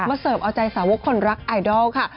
เสิร์ฟเอาใจสาวกคนรักไอดอลค่ะ